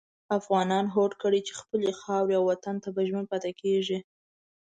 افغانانو هوډ کړی چې خپلې خاورې او وطن ته به ژمن پاتې کېږي.